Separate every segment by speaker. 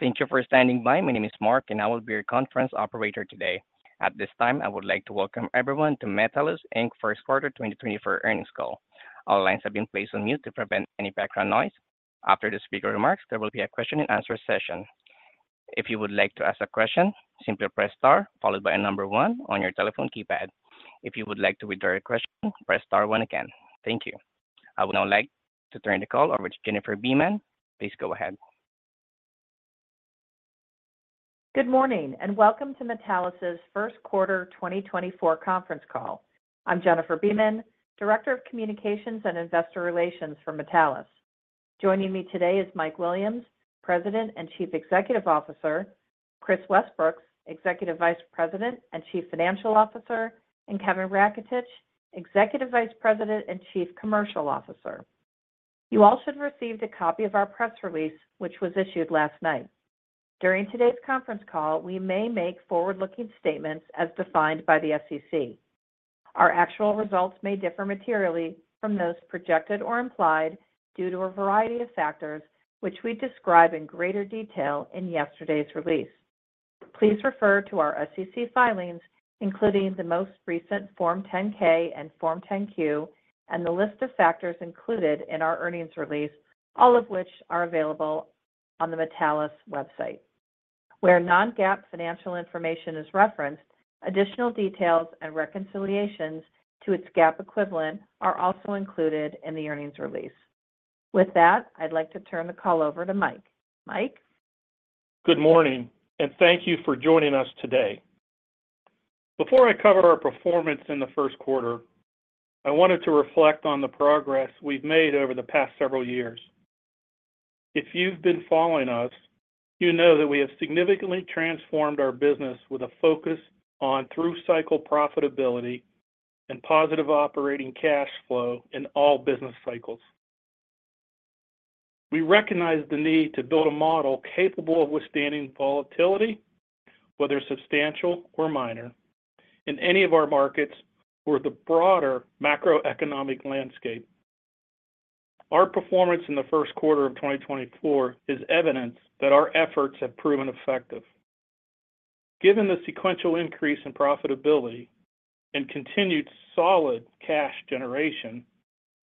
Speaker 1: Thank you for standing by. My name is Mark, and I will be your conference operator today. At this time, I would like to welcome everyone to Metallus Inc. first quarter 2024 earnings call. All lines have been placed on mute to prevent any background noise. After the speaker remarks, there will be a question-and-answer session. If you would like to ask a question, simply press * followed by a number 1 on your telephone keypad. If you would like to redirect a question, press * 1 again. Thank you. I would now like to turn the call over to Jennifer Beeman. Please go ahead.
Speaker 2: Good morning and welcome to Metallus's first quarter 2024 conference call. I'm Jennifer Beeman, Director of Communications and Investor Relations for Metallus. Joining me today is Mike Williams, President and Chief Executive Officer; Kris Westbrooks, Executive Vice President and Chief Financial Officer; and Kevin Raketich, Executive Vice President and Chief Commercial Officer. You all should have received a copy of our press release, which was issued last night. During today's conference call, we may make forward-looking statements as defined by the SEC. Our actual results may differ materially from those projected or implied due to a variety of factors, which we describe in greater detail in yesterday's release. Please refer to our SEC filings, including the most recent Form 10-K and Form 10-Q, and the list of factors included in our earnings release, all of which are available on the Metallus website. Where non-GAAP financial information is referenced, additional details and reconciliations to its GAAP equivalent are also included in the earnings release. With that, I'd like to turn the call over to Mike. Mike?
Speaker 3: Good morning, and thank you for joining us today. Before I cover our performance in the first quarter, I wanted to reflect on the progress we've made over the past several years. If you've been following us, you know that we have significantly transformed our business with a focus on through-cycle profitability and positive operating cash flow in all business cycles. We recognize the need to build a model capable of withstanding volatility, whether substantial or minor, in any of our markets or the broader macroeconomic landscape. Our performance in the first quarter of 2024 is evidence that our efforts have proven effective. Given the sequential increase in profitability and continued solid cash generation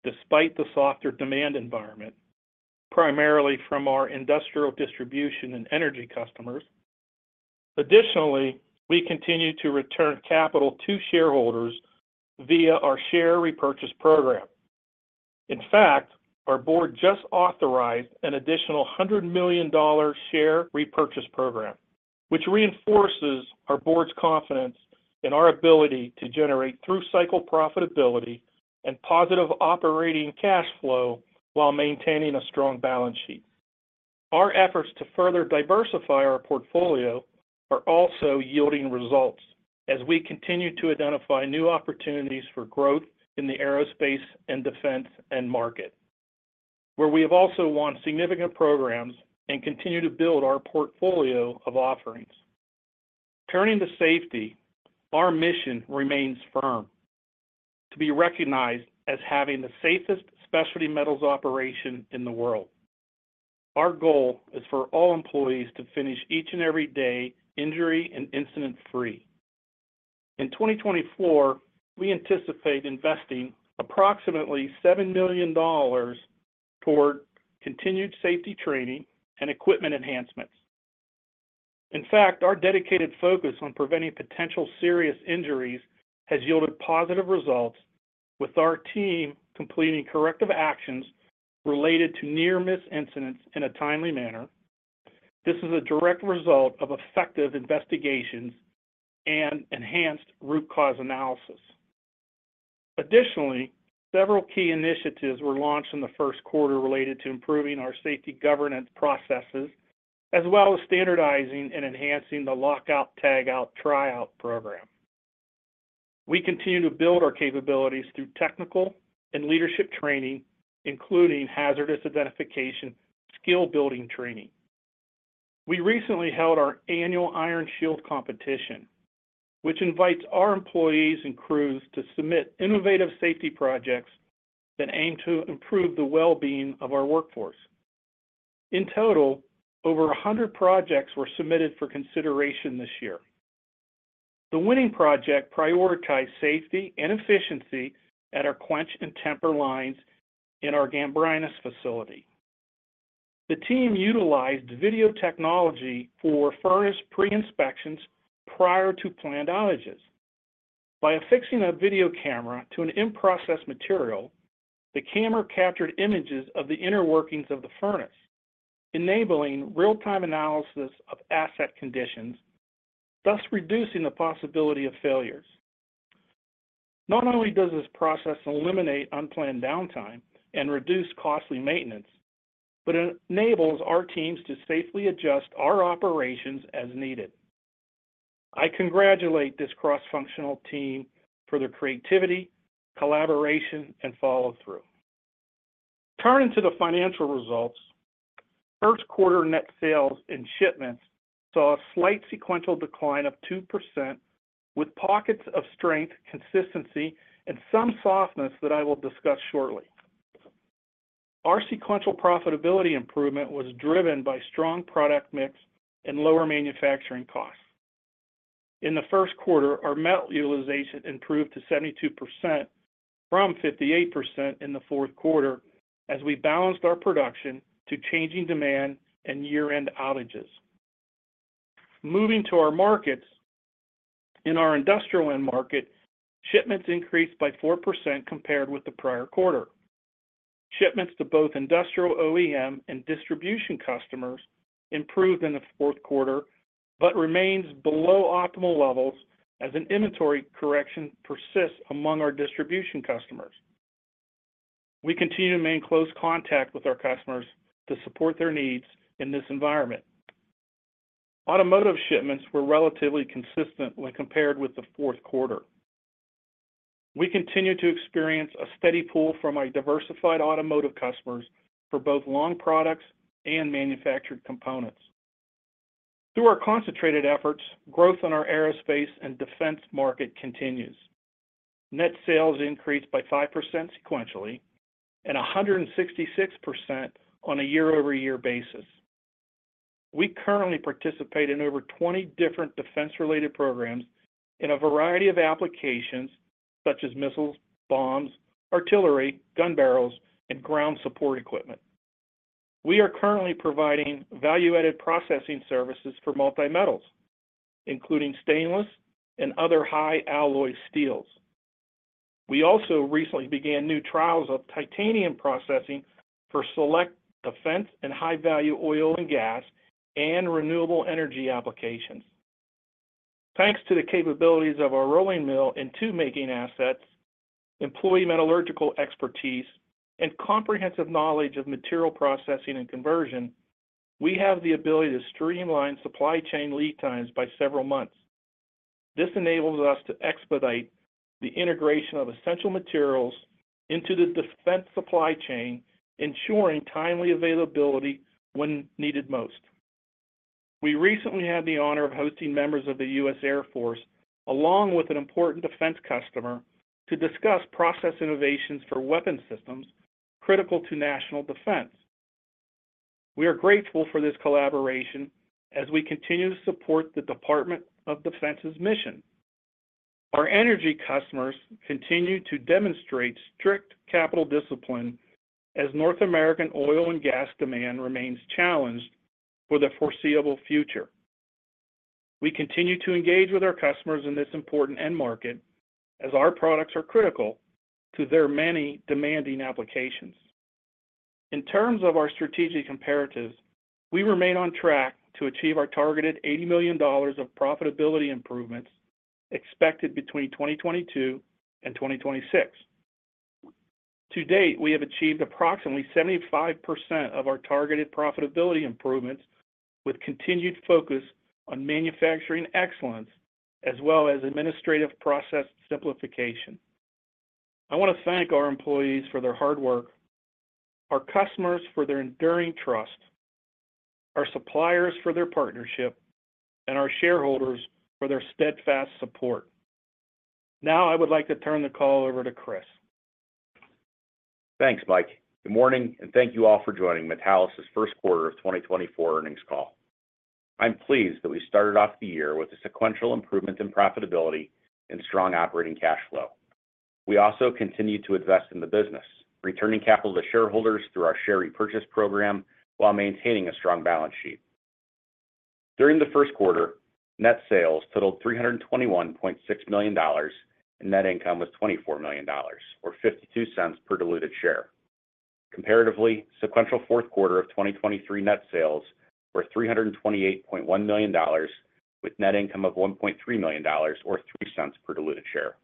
Speaker 3: despite the softer demand environment, primarily from our industrial distribution and energy customers. Additionally, we continue to return capital to shareholders via our share repurchase program. In fact, our board just authorized an additional $100 million share repurchase program, which reinforces our board's confidence in our ability to generate through-cycle profitability and positive operating cash flow while maintaining a strong balance sheet. Our efforts to further diversify our portfolio are also yielding results as we continue to identify new opportunities for growth in the aerospace and defense market, where we have also launched significant programs and continue to build our portfolio of offerings. Turning to safety, our mission remains firm: to be recognized as having the safest specialty metals operation in the world. Our goal is for all employees to finish each and every day injury and incident-free. In 2024, we anticipate investing approximately $7 million toward continued safety training and equipment enhancements. In fact, our dedicated focus on preventing potential serious injuries has yielded positive results, with our team completing corrective actions related to near-miss incidents in a timely manner. This is a direct result of effective investigations and enhanced root cause analysis. Additionally, several key initiatives were launched in the first quarter related to improving our safety governance processes, as well as standardizing and enhancing the Lockout, Tagout, Tryout program. We continue to build our capabilities through technical and leadership training, including hazardous identification skill-building training. We recently held our annual Iron Shield competition, which invites our employees and crews to submit innovative safety projects that aim to improve the well-being of our workforce. In total, over 100 projects were submitted for consideration this year. The winning project prioritized safety and efficiency at our quench and temper lines in our Gambrinus facility. The team utilized video technology for furnace pre-inspections prior to planned outages. By affixing a video camera to an in-process material, the camera captured images of the inner workings of the furnace, enabling real-time analysis of asset conditions, thus reducing the possibility of failures. Not only does this process eliminate unplanned downtime and reduce costly maintenance, but it enables our teams to safely adjust our operations as needed. I congratulate this cross-functional team for their creativity, collaboration, and follow-through. Turning to the financial results, first quarter net sales and shipments saw a slight sequential decline of 2%, with pockets of strength, consistency, and some softness that I will discuss shortly. Our sequential profitability improvement was driven by strong product mix and lower manufacturing costs. In the first quarter, our metal utilization improved to 72% from 58% in the fourth quarter as we balanced our production to changing demand and year-end outages. Moving to our markets, in our industrial end market, shipments increased by 4% compared with the prior quarter. Shipments to both industrial OEM and distribution customers improved in the fourth quarter but remained below optimal levels as an inventory correction persists among our distribution customers. We continue to maintain close contact with our customers to support their needs in this environment. Automotive shipments were relatively consistent when compared with the fourth quarter. We continue to experience a steady pull from our diversified automotive customers for both long products and manufactured components. Through our concentrated efforts, growth in our aerospace and defense market continues. Net sales increased by 5% sequentially and 166% on a year-over-year basis. We currently participate in over 20 different defense-related programs in a variety of applications such as missiles, bombs, artillery, gun barrels, and ground support equipment. We are currently providing value-added processing services for multi-metals, including stainless and other high-alloy steels. We also recently began new trials of titanium processing for select defense and high-value oil and gas and renewable energy applications. Thanks to the capabilities of our rolling mill and tube-making assets, employee metallurgical expertise, and comprehensive knowledge of material processing and conversion, we have the ability to streamline supply chain lead times by several months. This enables us to expedite the integration of essential materials into the defense supply chain, ensuring timely availability when needed most. We recently had the honor of hosting members of the U.S. Air Force, along with an important defense customer, to discuss process innovations for weapon systems critical to national defense. We are grateful for this collaboration as we continue to support the Department of Defense's mission. Our energy customers continue to demonstrate strict capital discipline as North American oil and gas demand remains challenged for the foreseeable future. We continue to engage with our customers in this important end market as our products are critical to their many demanding applications. In terms of our strategic comparatives, we remain on track to achieve our targeted $80 million of profitability improvements expected between 2022 and 2026. To date, we have achieved approximately 75% of our targeted profitability improvements with continued focus on manufacturing excellence as well as administrative process simplification. I want to thank our employees for their hard work, our customers for their enduring trust, our suppliers for their partnership, and our shareholders for their steadfast support. Now I would like to turn the call over to Kris.
Speaker 4: Thanks, Mike. Good morning, and thank you all for joining Metallus's first quarter of 2024 earnings call. I'm pleased that we started off the year with a sequential improvement in profitability and strong operating cash flow. We also continue to invest in the business, returning capital to shareholders through our share repurchase program while maintaining a strong balance sheet. During the first quarter, net sales totaled $321.6 million, and net income was $24 million, or $0.52 per diluted share. Comparatively, sequential fourth quarter of 2023 net sales were $328.1 million, with net income of $1.3 million, or $0.03 per diluted share.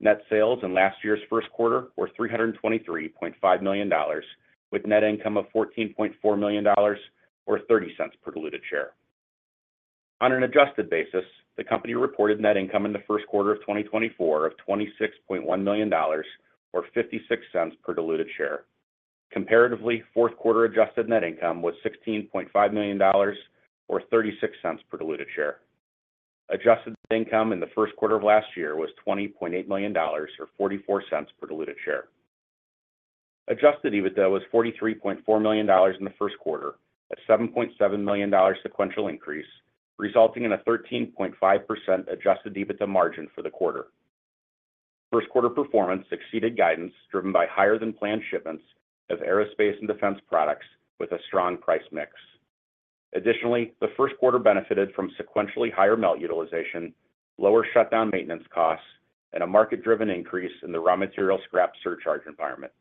Speaker 4: Net sales in last year's first quarter were $323.5 million, with net income of $14.4 million, or $0.30 per diluted share. On an adjusted basis, the company reported net income in the first quarter of 2024 of $26.1 million, or $0.56 per diluted share. Comparatively, fourth quarter adjusted net income was $16.5 million, or $0.36 per diluted share. Adjusted net income in the first quarter of last year was $20.8 million, or $0.44 per diluted share. Adjusted EBITDA was $43.4 million in the first quarter, a $7.7 million sequential increase, resulting in a 13.5% adjusted EBITDA margin for the quarter. First quarter performance exceeded guidance driven by higher-than-plan shipments of aerospace and defense products with a strong price mix. Additionally, the first quarter benefited from sequentially higher melt utilization, lower shutdown maintenance costs, and a market-driven increase in the raw material scrap surcharge environment.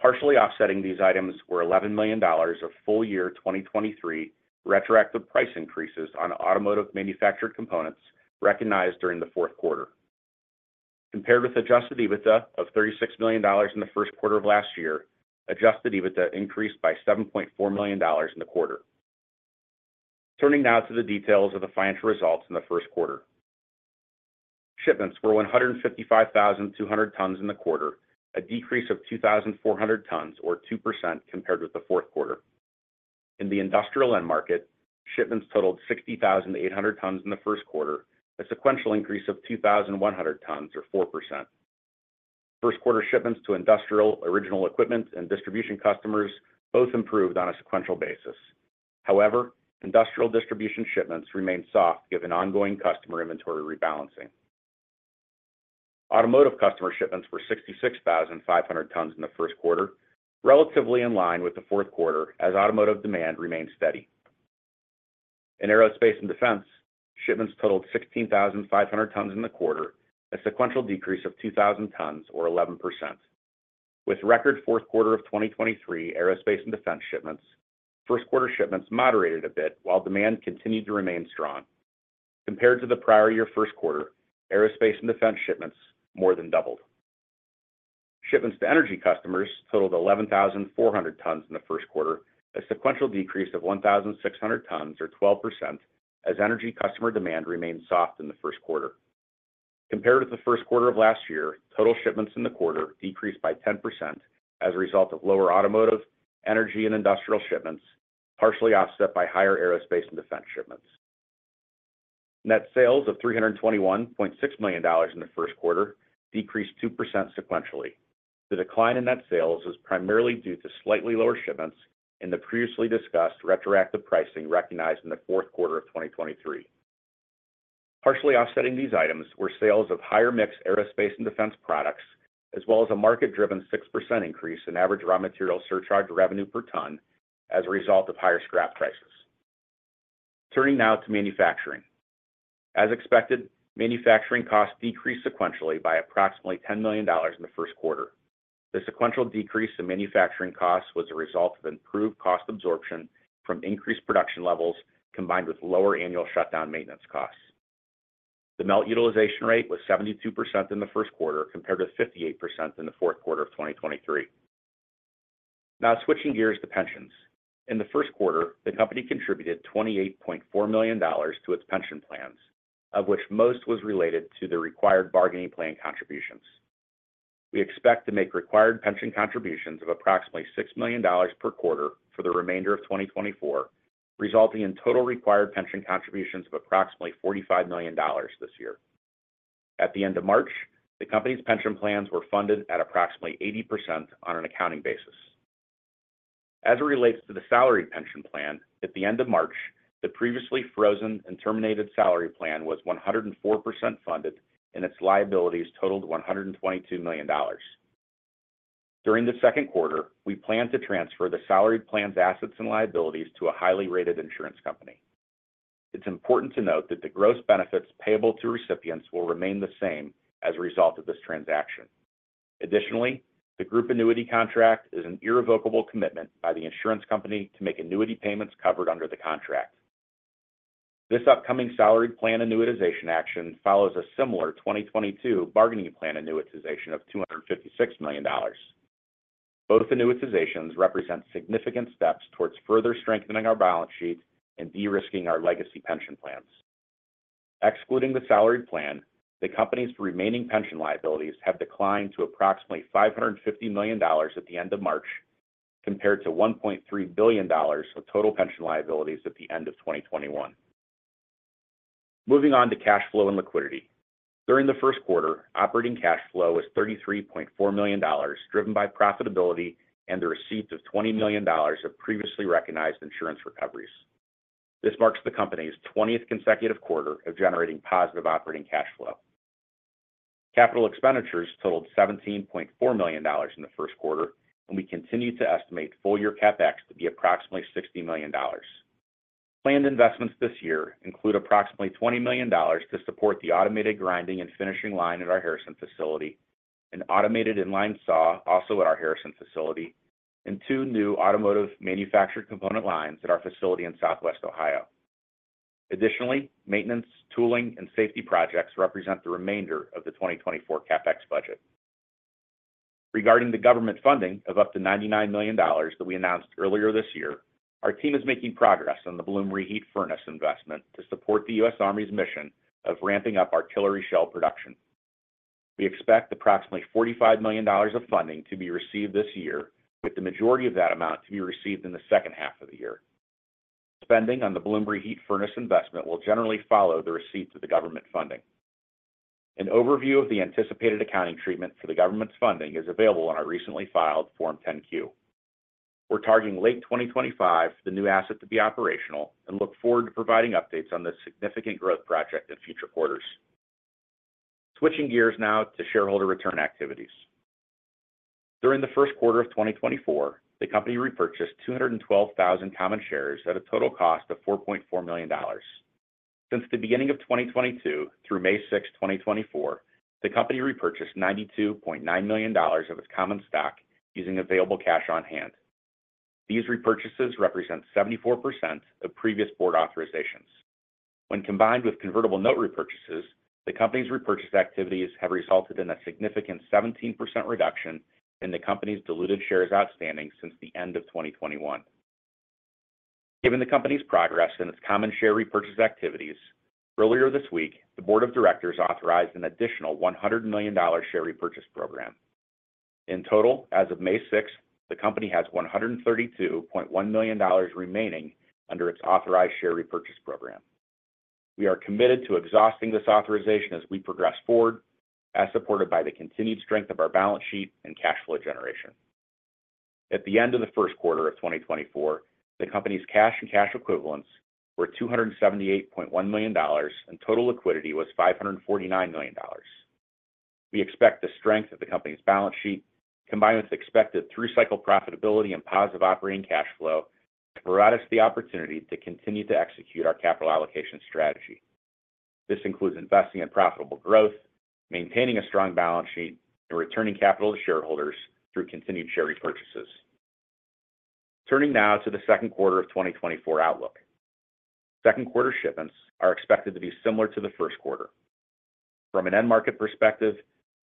Speaker 4: Partially offsetting these items were $11 million of full-year 2023 retroactive price increases on automotive manufactured components recognized during the fourth quarter. Compared with adjusted EBITDA of $36 million in the first quarter of last year, adjusted EBITDA increased by $7.4 million in the quarter. Turning now to the details of the financial results in the first quarter. Shipments were 155,200 tons in the quarter, a decrease of 2,400 tons, or 2% compared with the fourth quarter. In the industrial end market, shipments totaled 60,800 tons in the first quarter, a sequential increase of 2,100 tons, or 4%. First quarter shipments to industrial, original equipment, and distribution customers both improved on a sequential basis. However, industrial distribution shipments remained soft given ongoing customer inventory rebalancing. Automotive customer shipments were 66,500 tons in the first quarter, relatively in line with the fourth quarter as automotive demand remained steady. In aerospace and defense, shipments totaled 16,500 tons in the quarter, a sequential decrease of 2,000 tons, or 11%. With record fourth quarter of 2023 aerospace and defense shipments, first quarter shipments moderated a bit while demand continued to remain strong. Compared to the prior year first quarter, aerospace and defense shipments more than doubled. Shipments to energy customers totaled 11,400 tons in the first quarter, a sequential decrease of 1,600 tons, or 12%, as energy customer demand remained soft in the first quarter. Compared with the first quarter of last year, total shipments in the quarter decreased by 10% as a result of lower automotive, energy, and industrial shipments, partially offset by higher aerospace and defense shipments. Net sales of $321.6 million in the first quarter decreased 2% sequentially. The decline in net sales was primarily due to slightly lower shipments in the previously discussed retroactive pricing recognized in the fourth quarter of 2023. Partially offsetting these items were sales of higher-mix aerospace and defense products, as well as a market-driven 6% increase in average raw material surcharge revenue per ton as a result of higher scrap prices. Turning now to manufacturing. As expected, manufacturing costs decreased sequentially by approximately $10 million in the first quarter. The sequential decrease in manufacturing costs was a result of improved cost absorption from increased production levels combined with lower annual shutdown maintenance costs. The melt utilization rate was 72% in the first quarter compared with 58% in the fourth quarter of 2023. Now switching gears to pensions. In the first quarter, the company contributed $28.4 million to its pension plans, of which most was related to the required bargaining plan contributions. We expect to make required pension contributions of approximately $6 million per quarter for the remainder of 2024, resulting in total required pension contributions of approximately $45 million this year. At the end of March, the company's pension plans were funded at approximately 80% on an accounting basis. As it relates to the salaried pension plan, at the end of March, the previously frozen and terminated salaried plan was 104% funded, and its liabilities totaled $122 million. During the second quarter, we plan to transfer the salaried plan's assets and liabilities to a highly rated insurance company. It's important to note that the gross benefits payable to recipients will remain the same as a result of this transaction. Additionally, the group annuity contract is an irrevocable commitment by the insurance company to make annuity payments covered under the contract. This upcoming salaried plan annuitization action follows a similar 2022 bargaining plan annuitization of $256 million. Both annuitizations represent significant steps towards further strengthening our balance sheet and de-risking our legacy pension plans. Excluding the salaried plan, the company's remaining pension liabilities have declined to approximately $550 million at the end of March compared to $1.3 billion of total pension liabilities at the end of 2021. Moving on to cash flow and liquidity. During the first quarter, operating cash flow was $33.4 million driven by profitability and the receipt of $20 million of previously recognized insurance recoveries. This marks the company's 20th consecutive quarter of generating positive operating cash flow. Capital expenditures totaled $17.4 million in the first quarter, and we continue to estimate full-year CapEx to be approximately $60 million. Planned investments this year include approximately $20 million to support the automated grinding and finishing line at our Harrison facility, an automated inline saw also at our Harrison facility, and two new automotive manufactured component lines at our facility in Southwest Ohio. Additionally, maintenance, tooling, and safety projects represent the remainder of the 2024 CapEx budget. Regarding the government funding of up to $99 million that we announced earlier this year, our team is making progress on the Bloom Reheat Furnace investment to support the U.S. Army's mission of ramping up artillery shell production. We expect approximately $45 million of funding to be received this year, with the majority of that amount to be received in the second half of the year. Spending on the Bloom Reheat Furnace investment will generally follow the receipt of the government funding. An overview of the anticipated accounting treatment for the government's funding is available on our recently filed Form 10-Q. We're targeting late 2025 for the new asset to be operational and look forward to providing updates on this significant growth project in future quarters. Switching gears now to shareholder return activities. During the first quarter of 2024, the company repurchased 212,000 common shares at a total cost of $4.4 million. Since the beginning of 2022 through May 6, 2024, the company repurchased $92.9 million of its common stock using available cash on hand. These repurchases represent 74% of previous board authorizations. When combined with convertible note repurchases, the company's repurchase activities have resulted in a significant 17% reduction in the company's diluted shares outstanding since the end of 2021. Given the company's progress in its common share repurchase activities, earlier this week, the board of directors authorized an additional $100 million share repurchase program. In total, as of May 6, the company has $132.1 million remaining under its authorized share repurchase program. We are committed to exhausting this authorization as we progress forward, as supported by the continued strength of our balance sheet and cash flow generation. At the end of the first quarter of 2024, the company's cash and cash equivalents were $278.1 million, and total liquidity was $549 million. We expect the strength of the company's balance sheet, combined with expected through-cycle profitability and positive operating cash flow, to provide us the opportunity to continue to execute our capital allocation strategy. This includes investing in profitable growth, maintaining a strong balance sheet, and returning capital to shareholders through continued share repurchases. Turning now to the second quarter of 2024 outlook. Second quarter shipments are expected to be similar to the first quarter. From an end market perspective,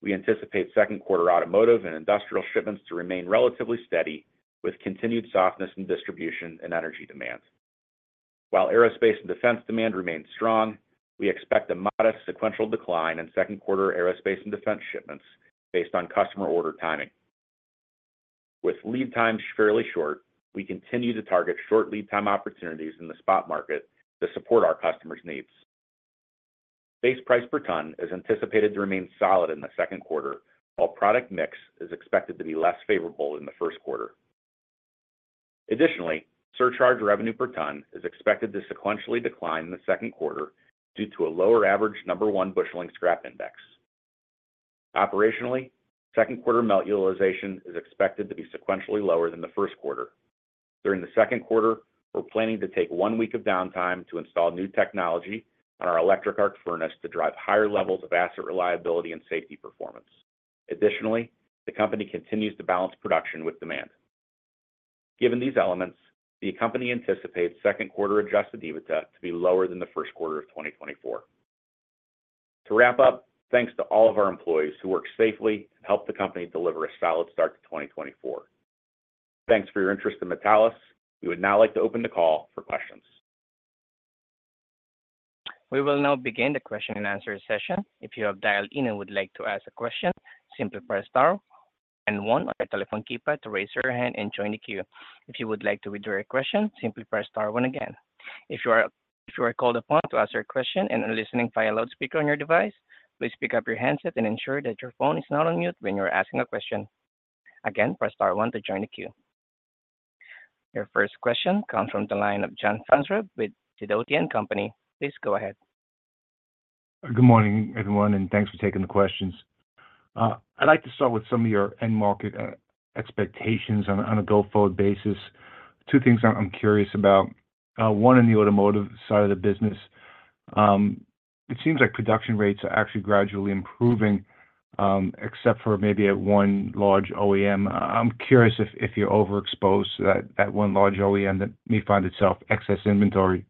Speaker 4: we anticipate second quarter automotive and industrial shipments to remain relatively steady with continued softness in distribution and energy demand. While aerospace and defense demand remains strong, we expect a modest sequential decline in second quarter aerospace and defense shipments based on customer order timing. With lead times fairly short, we continue to target short lead time opportunities in the spot market to support our customers' needs. Base price per ton is anticipated to remain solid in the second quarter, while product mix is expected to be less favorable in the first quarter. Additionally, surcharge revenue per ton is expected to sequentially decline in the second quarter due to a lower average Number One Busheling Scrap Index. Operationally, second quarter Melt Utilization is expected to be sequentially lower than the first quarter. During the second quarter, we're planning to take 1 week of downtime to install new technology on our Electric Arc Furnace to drive higher levels of asset reliability and safety performance. Additionally, the company continues to balance production with demand. Given these elements, the company anticipates second quarter Adjusted EBITDA to be lower than the first quarter of 2024. To wrap up, thanks to all of our employees who worked safely and helped the company deliver a solid start to 2024. Thanks for your interest in Metallus. We would now like to open the call for questions.
Speaker 1: We will now begin the question and answer session. If you have dialed in and would like to ask a question, simply press star one on your telephone keypad to raise your hand and join the queue. If you would like to withdraw your question, simply press star one again. If you are called upon to ask your question and are listening via loudspeaker on your device, please pick up your handset and ensure that your phone is not on mute when you are asking a question. Again, press star one to join the queue. Your first question comes from the line of John Franzreb with Sidoti & Company. Please go ahead.
Speaker 5: Good morning, everyone, and thanks for taking the questions. I'd like to start with some of your end market expectations on a go-forward basis. Two things I'm curious about. One, in the automotive side of the business, it seems like production rates are actually gradually improving, except for maybe at one large OEM. I'm curious if you're overexposed to that one large OEM that may find itself excess inventory.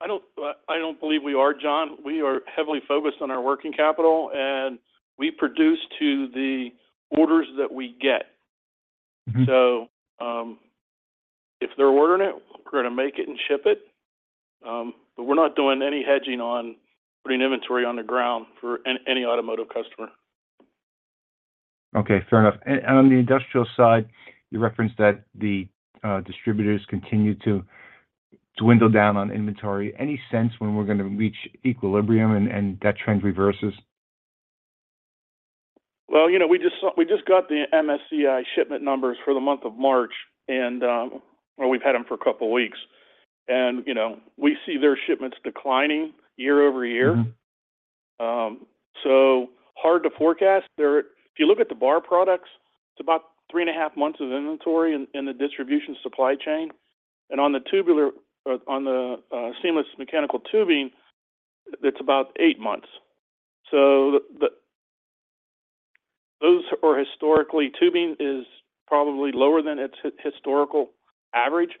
Speaker 3: I don't believe we are, John. We are heavily focused on our working capital, and we produce to the orders that we get. So if they're ordering it, we're going to make it and ship it. But we're not doing any hedging on putting inventory on the ground for any automotive customer.
Speaker 5: Okay, fair enough. And on the industrial side, you referenced that the distributors continue to dwindle down on inventory. Any sense when we're going to reach equilibrium and that trend reverses?
Speaker 3: Well, we just got the MSCI shipment numbers for the month of March, and we've had them for a couple of weeks. We see their shipments declining year-over-year. So hard to forecast. If you look at the bar products, it's about 3.5 months of inventory in the distribution supply chain. And on the tubular or on the seamless mechanical tubing, it's about 8 months. So those are historically tubing is probably lower than its historical average,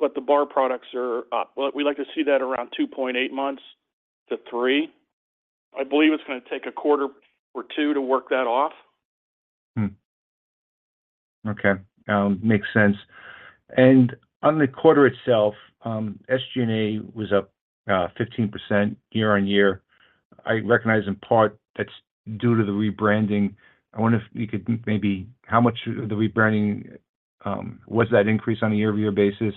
Speaker 3: but the bar products are up. We like to see that around 2.8-3 months. I believe it's going to take a quarter or two to work that off.
Speaker 6: Okay. Makes sense. And on the quarter itself, SG&A was up 15% year-on-year. I recognize in part that's due to the rebranding. I wonder if you could maybe how much of the rebranding was that increase on a year-over-year basis?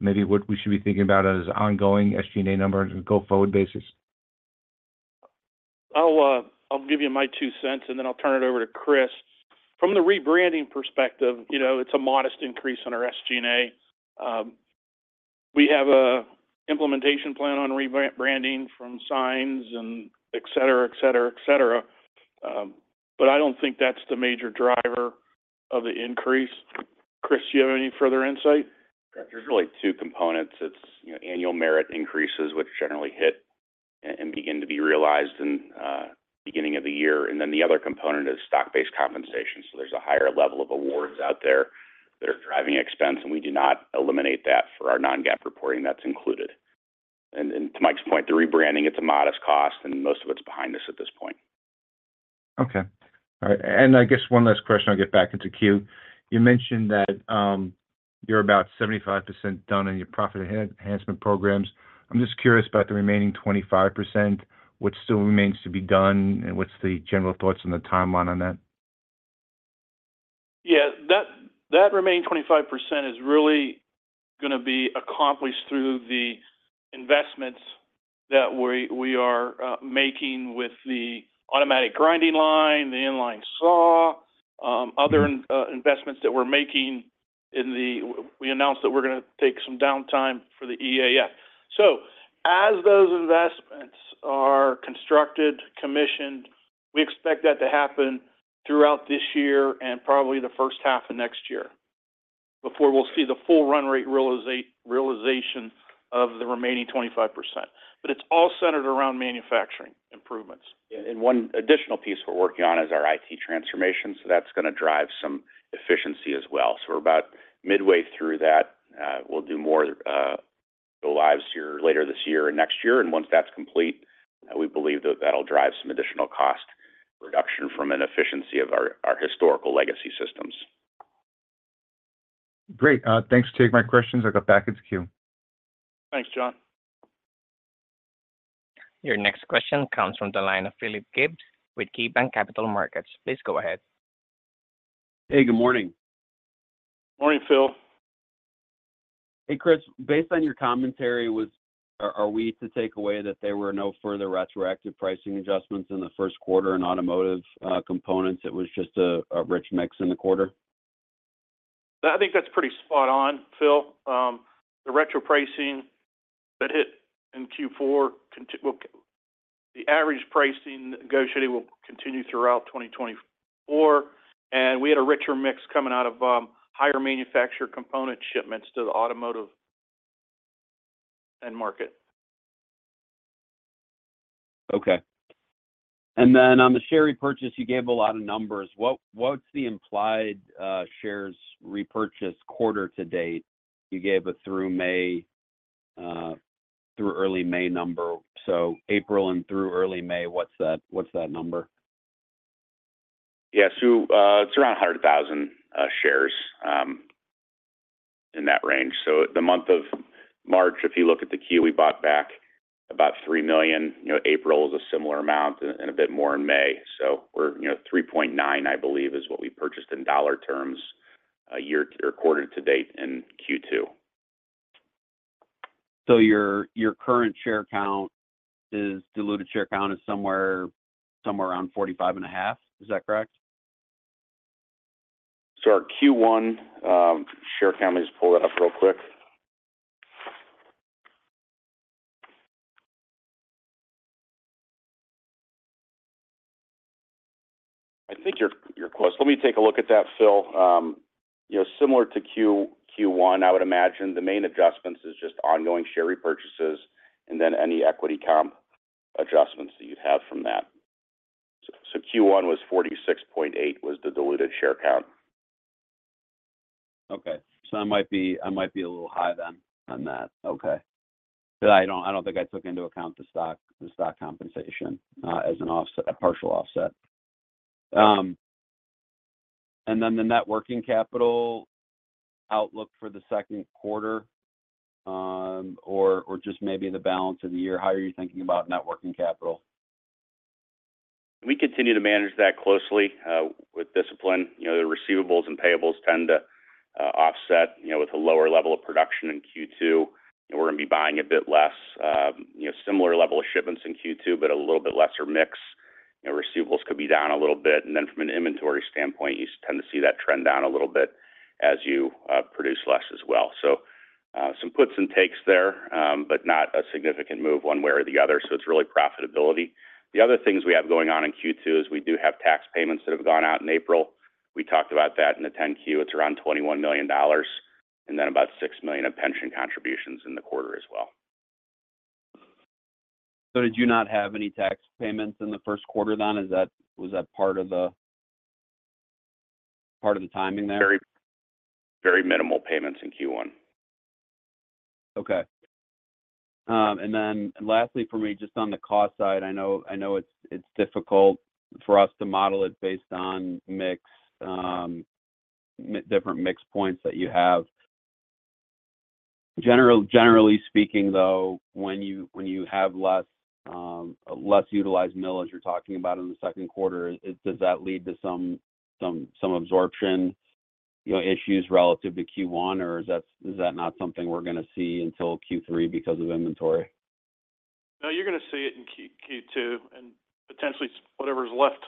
Speaker 6: Maybe what we should be thinking about as ongoing SG&A number on a go-forward basis.
Speaker 3: I'll give you my two cents, and then I'll turn it over to Kris. From the rebranding perspective, it's a modest increase on our SG&A. We have an implementation plan on rebranding from signs, etc., etc., etc. But I don't think that's the major driver of the increase. Kris, do you have any further insight?
Speaker 4: There's really two components. It's annual merit increases, which generally hit and begin to be realized in the beginning of the year. Then the other component is stock-based compensation. So there's a higher level of awards out there that are driving expense, and we do not eliminate that for our non-GAAP reporting. That's included. To Mike's point, the rebranding, it's a modest cost, and most of it's behind us at this point.
Speaker 5: Okay. All right. And I guess one last question, I'll get back into queue. You mentioned that you're about 75% done in your profit enhancement programs. I'm just curious about the remaining 25%, what still remains to be done, and what's the general thoughts on the timeline on that?
Speaker 3: Yeah. That remaining 25% is really going to be accomplished through the investments that we are making with the automatic grinding line, the inline saw, other investments that we're making, we announced that we're going to take some downtime for the EAF. So as those investments are constructed, commissioned, we expect that to happen throughout this year and probably the first half of next year before we'll see the full run rate realization of the remaining 25%. But it's all centered around manufacturing improvements.
Speaker 4: One additional piece we're working on is our IT transformation. So that's going to drive some efficiency as well. So we're about midway through that. We'll do more go lives later this year and next year. And once that's complete, we believe that that'll drive some additional cost reduction from an efficiency of our historical legacy systems.
Speaker 5: Great. Thanks for taking my questions. I'll go back into queue.
Speaker 3: Thanks, John.
Speaker 1: Your next question comes from the line of Philip Gibbs with KeyBanc Capital Markets. Please go ahead.
Speaker 6: Hey, good morning.
Speaker 3: Morning, Phil.
Speaker 6: Hey, Kris. Based on your commentary, are we to take away that there were no further retroactive pricing adjustments in the first quarter in automotive components? It was just a rich mix in the quarter?
Speaker 4: I think that's pretty spot on, Phil. The retro pricing that hit in Q4, the average pricing negotiated will continue throughout 2024. We had a richer mix coming out of higher manufactured components shipments to the automotive end market.
Speaker 6: Okay. And then on the share repurchase, you gave a lot of numbers. What's the implied shares repurchase quarter to date? You gave a through early May number. So April and through early May, what's that number?
Speaker 4: Yeah. So it's around 100,000 shares in that range. So the month of March, if you look at the Q, we bought back about 3 million. April is a similar amount and a bit more in May. So $3.9 million, I believe, is what we purchased in dollar terms year or quarter to date in Q2.
Speaker 6: Your current share count is diluted share count is somewhere around 45.5. Is that correct?
Speaker 4: So our Q1 share count, let me just pull that up real quick. I think your question, let me take a look at that, Phil. Similar to Q1, I would imagine the main adjustments is just ongoing share repurchases and then any equity comp adjustments that you'd have from that. So Q1 was 46.8, the diluted share count.
Speaker 6: Okay. So I might be a little high then on that. Okay. I don't think I took into account the stock compensation as a partial offset. And then the working capital outlook for the second quarter or just maybe the balance of the year, how are you thinking about working capital?
Speaker 4: We continue to manage that closely with discipline. The receivables and payables tend to offset with a lower level of production in Q2. We're going to be buying a bit less, similar level of shipments in Q2, but a little bit lesser mix. Receivables could be down a little bit. And then from an inventory standpoint, you tend to see that trend down a little bit as you produce less as well. So some puts and takes there, but not a significant move one way or the other. So it's really profitability. The other things we have going on in Q2 is we do have tax payments that have gone out in April. We talked about that in the 10-Q. It's around $21 million. And then about $6 million of pension contributions in the quarter as well.
Speaker 6: Did you not have any tax payments in the first quarter then? Was that part of the timing there?
Speaker 4: Very minimal payments in Q1.
Speaker 6: Okay. And then lastly for me, just on the cost side, I know it's difficult for us to model it based on different mix points that you have. Generally speaking, though, when you have less utilized mill as you're talking about in the second quarter, does that lead to some absorption issues relative to Q1, or is that not something we're going to see until Q3 because of inventory?
Speaker 3: No, you're going to see it in Q2. And potentially whatever's left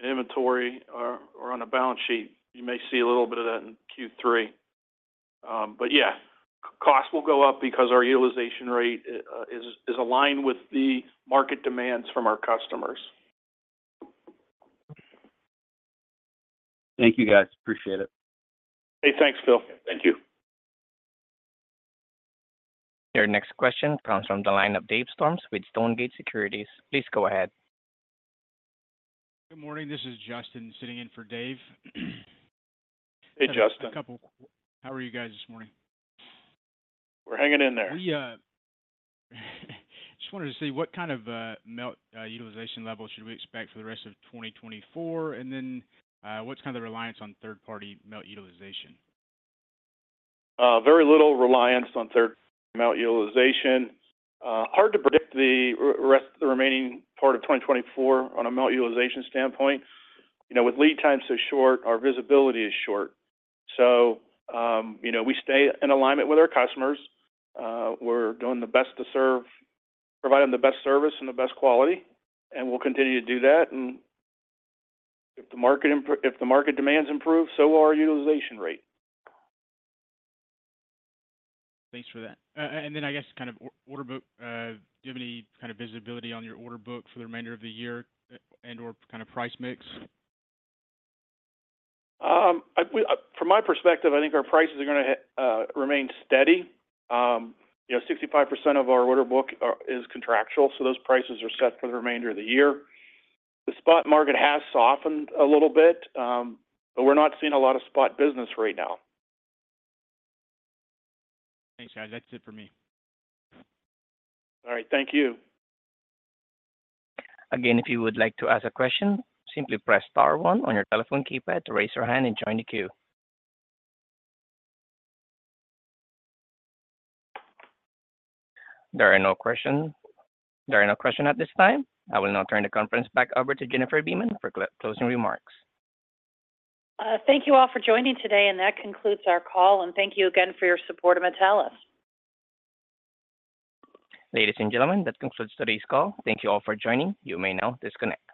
Speaker 3: in inventory or on a balance sheet, you may see a little bit of that in Q3. But yeah, costs will go up because our utilization rate is aligned with the market demands from our customers.
Speaker 6: Thank you, guys. Appreciate it.
Speaker 3: Hey, thanks, Phil.
Speaker 4: Thank you.
Speaker 1: Your next question comes from the line of Dave Storms with Stonegate Capital Markets. Please go ahead.
Speaker 7: Good morning. This is Justin sitting in for Dave.
Speaker 3: Hey, Justin.
Speaker 7: How are you guys this morning?
Speaker 3: We're hanging in there.
Speaker 6: I just wanted to see what kind of melt utilization level should we expect for the rest of 2024? And then what's kind of the reliance on third-party melt utilization?
Speaker 4: Very little reliance on third-party melt utilization. Hard to predict the remaining part of 2024 on a melt utilization standpoint. With lead times so short, our visibility is short. So we stay in alignment with our customers. We're doing the best to serve, providing the best service and the best quality. And we'll continue to do that. And if the market demands improve, so will our utilization rate.
Speaker 7: Thanks for that. And then I guess kind of order book, do you have any kind of visibility on your order book for the remainder of the year and/or kind of price mix?
Speaker 3: From my perspective, I think our prices are going to remain steady. 65% of our order book is contractual, so those prices are set for the remainder of the year. The spot market has softened a little bit, but we're not seeing a lot of spot business right now.
Speaker 6: Thanks, guys. That's it for me.
Speaker 3: All right. Thank you.
Speaker 1: Again, if you would like to ask a question, simply press star one on your telephone keypad to raise your hand and join the queue. There are no questions. There are no questions at this time. I will now turn the conference back over to Jennifer Beeman for closing remarks.
Speaker 2: Thank you all for joining today, and that concludes our call. Thank you again for your support of Metallus.
Speaker 1: Ladies and gentlemen, that concludes today's call. Thank you all for joining. You may now disconnect.